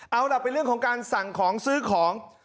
เอาล่ะเป็นเรื่องของการสั่งของซื้อของ